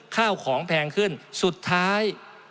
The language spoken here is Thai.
ข้าวของแพงขึ้นสุดท้าย